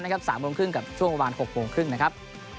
นะครับสามโมงครึ่งกับช่วงบ่างหกโมงครึ่งนะครับ